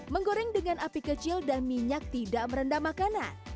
menggoreng dengan api kecil dan minyak tidak merendah makanan